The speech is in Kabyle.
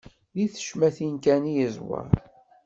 Di tecmatin kan i yeẓwer.